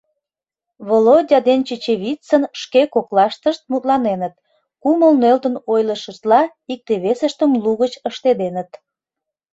Володя ден Чечевицын шке коклаштышт мутланеныт, кумыл нӧлтын ойлышыштла икте- весыштым лугыч ыштеденыт.